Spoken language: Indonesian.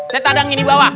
saya tadangin di bawah